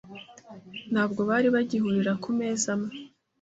Ntabwo bari bagihurira ku meza amwe,